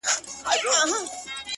د انتظار خبري ډيري ښې دي _